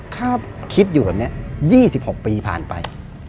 ถ้าคิดอยู่แบบนี้๒๖ปีผ่านไป